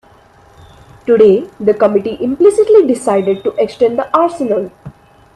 Today the committee implicitly decided to extend the arsenal.